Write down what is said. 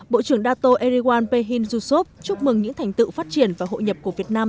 bộ trưởng datto erdogan behin susup chúc mừng những thành tựu phát triển và hội nhập của việt nam